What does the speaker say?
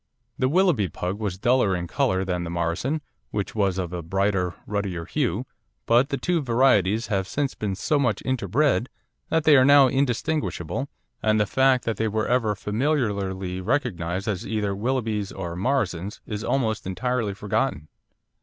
The Willoughby Pug was duller in colour than the Morrison, which was of a brighter, ruddier hue, but the two varieties have since been so much interbred that they are now undistinguishable, and the fact that they were ever familiarly recognised as either Willoughbys or Morrisons is almost entirely forgotten.